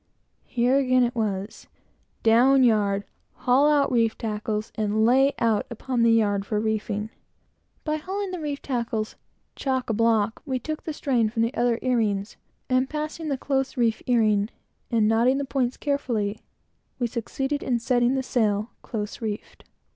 Here again it was down yard, haul out reef tackles, and lay out upon the yard for reefing. By hauling the reef tackles chock a block, we took the strain from the other earings, and passing the close reef earing, and knotting the points carefully, we succeeded in setting the sail, close reefed.